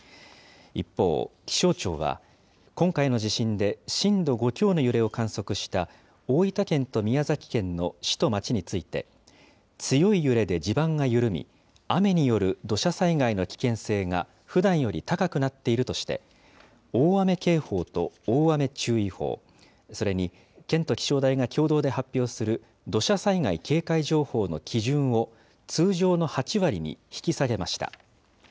一方、気象庁は今回の地震で震度５強の揺れを観測した大分県と宮崎県の市と町について、強い揺れで地盤が緩み、雨による土砂災害の危険性がふだんより高くなっているとして、大雨警報と大雨注意報、それに県と気象台が共同で発表する、土砂災害警戒情報の基準を、通常の８割に引き下げました。